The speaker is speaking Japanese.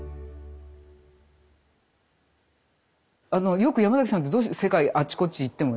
よくヤマザキさんってどうして世界あっちこっち行ってもね